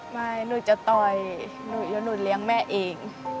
ไม่หนูจะต่อยหนูเดี๋ยวหนูเลี้ยงแม่เอง